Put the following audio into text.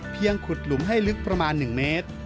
ขุดหลุมให้ลึกประมาณ๑เมตร